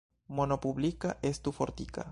Mono publika estu fortika.